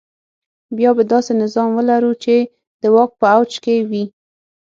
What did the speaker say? بیا به داسې نظام ولرو چې د واک په اوج کې وي.